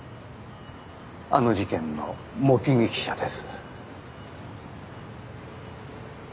あの事件の目撃者です。